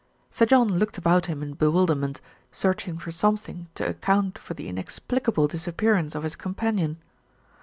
Sir John looked about him in bewilderment, search ing for something to account for the inexplicable disap pearance of his companion.